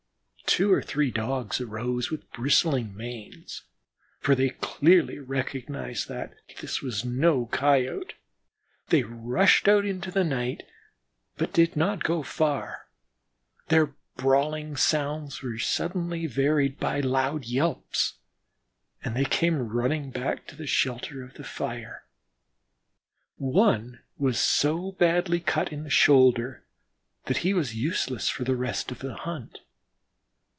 Two or three Dogs arose, with bristling manes, for they clearly recognized that this was no Coyote. They rushed out into the night, but did not go far; their brawling sounds were suddenly varied by loud yelps, and they came running back to the shelter of the fire. One was so badly cut in the shoulder that he was useless for the rest of the hunt.